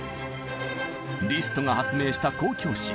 リストが発明した「交響詩」。